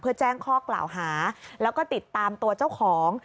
เพื่อแจ้งข้อกล่าวหาแล้วก็ติดตามตัวเจ้าของ